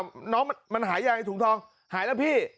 น้๊กน้องมันหาย่างไงถุงทองหายล่ะพี่